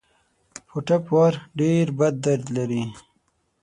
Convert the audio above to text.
په ټپ وار ډېر بد درد لري.